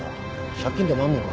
借金でもあんのか？